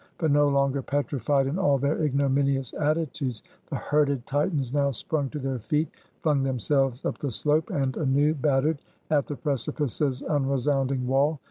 But no longer petrified in all their ignominious attitudes, the herded Titans now sprung to their feet; flung themselves up the slope; and anew battered at the precipice's unresounding wall.